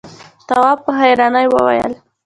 تواب په حيرانی وويل: